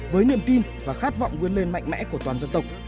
với niềm tin và khát vọng vươn lên mạnh mẽ của toàn dân tộc